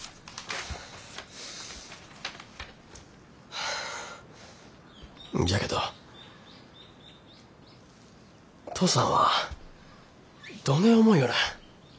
はあじゃけど父さんはどねん思ようるん。